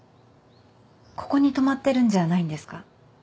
ここに泊まってるんじゃないんですか？